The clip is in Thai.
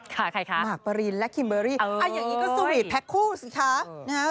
ใครคะหมากปรินและคิมเบอรี่อย่างนี้ก็สวีทแพ็คคู่สิคะนะฮะ